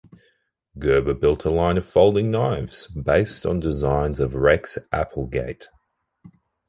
Gerber built a line of folding knives based on designs of Rex Applegate.